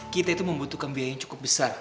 kita itu membutuhkan biaya yang cukup besar